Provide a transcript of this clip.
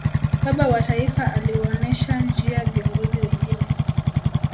baba wa taifa aliwaonesha njia viongozi wengine